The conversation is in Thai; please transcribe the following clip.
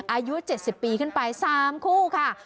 อายุ๗๐ปีขึ้นไป๓คู่ค่ะ